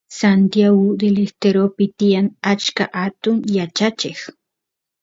Santiagu Del Esteropi tiyan achka atun yachacheq